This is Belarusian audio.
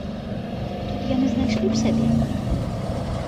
Тут яны знайшлі б сябе?